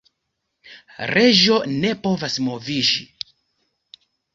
Reĝo ne povas moviĝi.